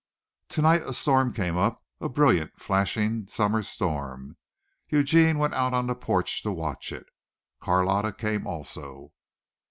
Tonight a storm came up, a brilliant, flashing summer storm. Eugene went out on the porch to watch it. Carlotta came also.